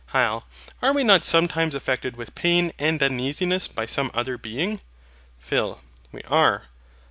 HYL. Are we not sometimes affected with pain and uneasiness by some other Being? PHIL. We are.